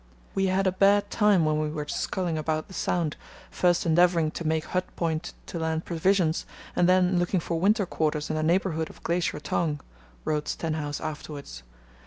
"We had a bad time when we were 'sculling' about the Sound, first endeavouring to make Hut Point to land provisions, and then looking for winter quarters in the neighbourhood of Glacier Tongue," wrote Stenhouse afterwards.